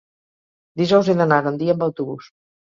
Dijous he d'anar a Gandia amb autobús.